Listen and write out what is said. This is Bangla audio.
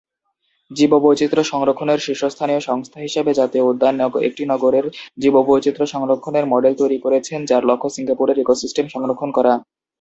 জীববৈচিত্র্য সংরক্ষণের শীর্ষস্থানীয় সংস্থা হিসাবে জাতীয় উদ্যান একটি নগরের জীববৈচিত্র্য সংরক্ষণের মডেল তৈরি করেছেন, যার লক্ষ্য সিঙ্গাপুরের ইকো-সিস্টেম সংরক্ষণ করা।